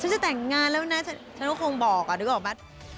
จะแต่งงานแล้วนะฉันก็คงบอกนึกออกไหม